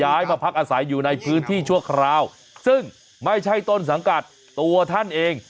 มาพักอาศัยอยู่ในพื้นที่ชั่วคราวซึ่งไม่ใช่ต้นสังกัดตัวท่านเอง